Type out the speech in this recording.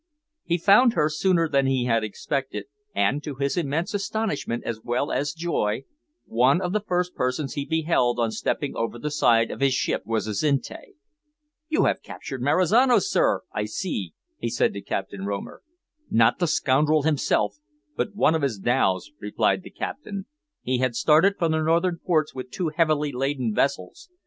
He found her sooner than he had expected; and, to his immense astonishment as well as joy, one of the first persons he beheld on stepping over the side of his ship was Azinte. "You have captured Marizano, sir, I see," he said to Captain Romer. "Not the scoundrel himself, but one of his dhows," replied the Captain. "He had started for the northern ports with two heavily laden vessels.